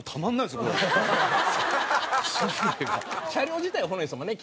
車両自体は古いですもんね